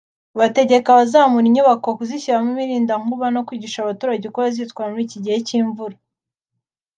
bategeka abazamura inyubako kuzishyiramo imirindankuba no kwigisha abaturage uko bazitwara muri iki gihe cy’imvura